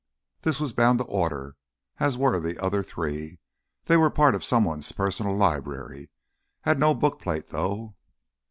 This was bound to order, as were the other three. They were part of someone's personal library—had no bookplate, though."